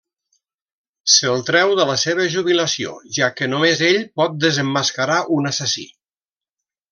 Se'l treu de la seva jubilació, ja que només ell pot desemmascarar un assassí.